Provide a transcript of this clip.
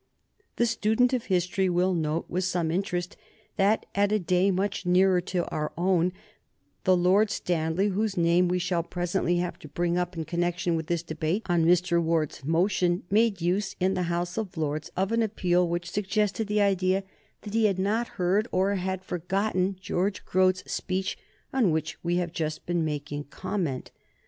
The student of history will note with some interest that, at a day much nearer to our own, the Lord Stanley whose name we shall presently have to bring up in connection with this debate on Mr. Ward's motion made use, in the House of Lords, of an appeal which suggested the idea that he had not heard or had forgotten George Grote's speech on which we have just been making comment.